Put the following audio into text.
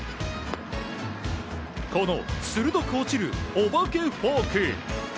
この鋭く落ちる、お化けフォーク。